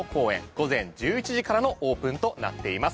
午前１１時からのオープンとなっています。